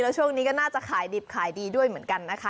ช่วงนี้ก็น่าจะขายดิบขายดีด้วยเหมือนกันนะคะ